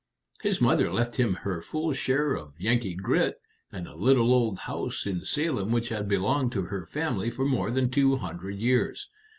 His mother left him her full share of Yankee grit and a little old house in Salem which had belonged to her family for more than two hundred years.